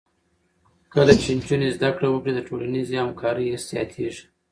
کله چې نجونې زده کړه وکړي، د ټولنیزې همکارۍ حس زیاتېږي.